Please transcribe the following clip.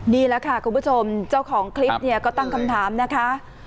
นี่แหละค่ะคุณผู้ชมเจ้าของคลิปเนี่ยก็ตั้งคำถามนะคะ